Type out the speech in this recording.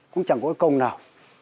chúng chẳng có cổng chiêng